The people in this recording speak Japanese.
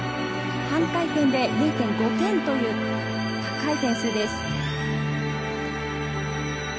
半回転で０．５点、高い点数です。